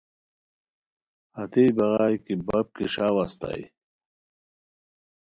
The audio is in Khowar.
ہتئے بغائے کی بپ کیݰاؤ استائے